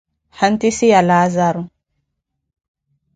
Hantise Ya Laazaro